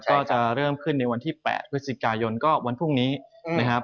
ก็จะเริ่มขึ้นในวันที่๘พฤศจิกายนก็วันพรุ่งนี้นะครับ